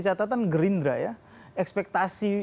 catatan gerindra ya ekspektasi